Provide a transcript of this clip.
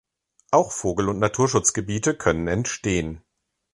Auch Vogel- und Naturschutzgebiete können entstehen.